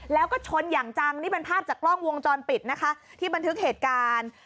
แล้วก็ชนอย่างจังนี่เป็นภาพจากกล้องวงจรปิดนะคะที่บันทึกเหตุการณ์